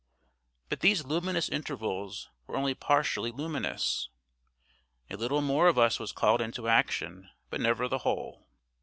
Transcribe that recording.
But these luminous intervals were only partially luminous. A little more of us was called into action, but never the whole.